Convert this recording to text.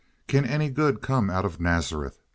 "Can any good come out of Nazareth?"